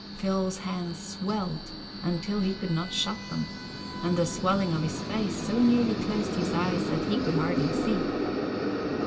Phil's hands swelled until he could not shut them, and the swelling of his face so nearly closed his eyes that he could hardly see.